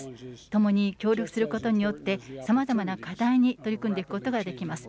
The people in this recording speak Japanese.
ともに協力することによって、さまざまな課題に取り組んでいくことができます。